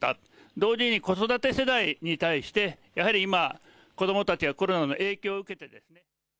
同時に子育て世代に対してやはり今、子どもたちがコロナの影響を受けて。